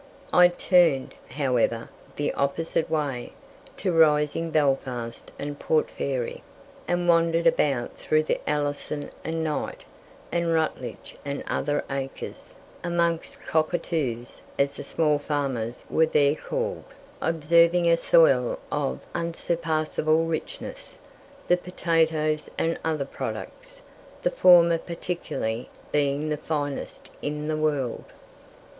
I turned, however, the opposite way, to rising Belfast and Port Fairy, and wandered about through the Alison and Knight, and Rutledge and other acres; amongst cockatoos, as the small farmers were there called, observing a soil of unsurpassable richness, the potatoes and other products, the former particularly, being the finest in the world.